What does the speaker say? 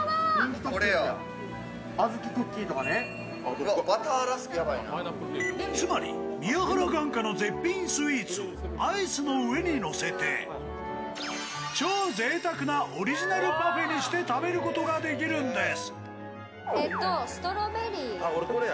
そして、これらにつまり宮原眼科の絶品スイーツをアイスの上にのせて超ぜいたくなオリジナルパフェにして食べることができるんです。